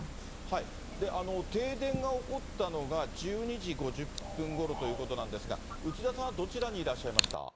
停電が起こったのが１２時５０分ごろということなんですが、うちださんはどちらにいらっしゃいました？